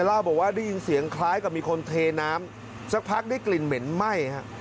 เล่าบอกว่าได้ยินเสียงคล้ายกับมีคนเทน้ำสักพักได้กลิ่นเหม็นไหม้ฮะ